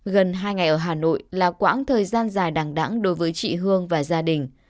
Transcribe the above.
gần hai ngày ở hà nội là quãng thời gian dài đàng đắng đối với chị hương và gia đình